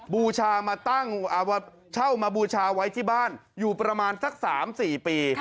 บูชามาตั้งเช่ามาบูชาไว้ที่บ้านอยู่ประมาณสัก๓๔ปี